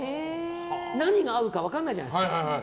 何が合うか分からないじゃないですか。